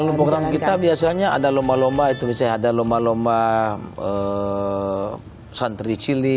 kalau program kita biasanya ada lomba lomba itu misalnya ada lomba lomba santri cili